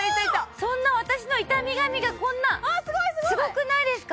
そんな私の傷み髪がこんなあすごいすごいすごくないですか？